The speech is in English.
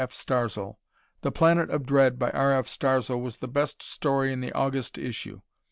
F. Starzl. "The Planet of Dread," by R. F. Starzl was the best story in the August issue.